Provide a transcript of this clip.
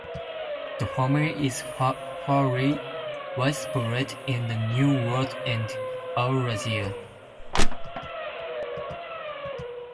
The family is fairly widespread in the New World and Eurasia.